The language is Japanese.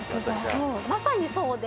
そうまさにそうで。